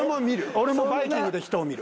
俺もバイキングで人を見る。